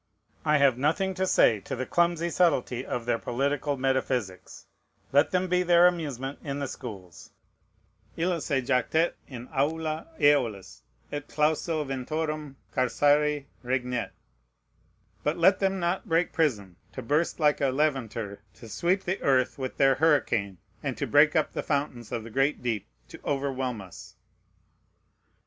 I have nothing to say to the clumsy subtilty of their political metaphysics. Let them be their amusement in the schools. Illa se jactet in aula Æolus, et clauso ventorum carcere regnet. But let them not break prison to burst like a Levanter, to sweep the earth with their hurricane, and to break up the fountains of the great deep to overwhelm us!